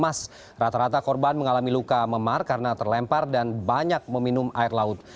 mas rata rata korban mengalami luka memar karena terlempar dan banyak meminum air laut